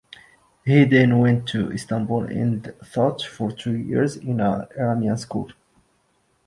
He then went to Istanbul and taught for two years in an Iranian school.